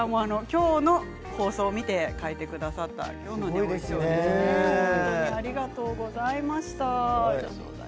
今日の放送を見て描いてくださったんですねありがとうございました。